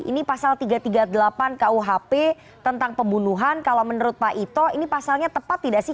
ini pasal tiga ratus tiga puluh delapan kuhp tentang pembunuhan kalau menurut pak ito ini pasalnya tepat tidak sih